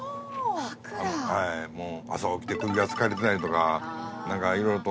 朝起きて首が疲れてたりとか何かいろいろと。